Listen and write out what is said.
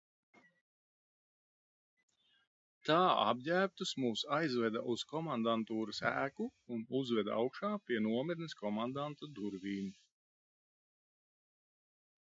Tā apģērbtus mūs aizveda uz komandantūras ēku un uzveda augšā pie nometnes komandanta durvīm.